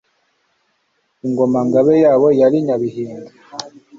Ingoma –Ngabe yabo yari “Nyabihinda “